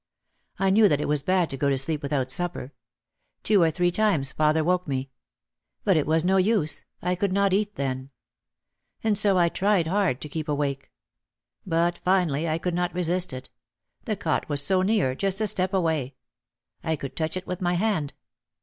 I knew that it was bad to go to sleep without supper. Two or three times father woke me. But it was no use, I could not eat then. And so I tried hard to keep awake. But finally I could not resist it. The cot was so near, just a step away. I could touch it with my hand.